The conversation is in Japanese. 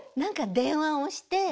電話して。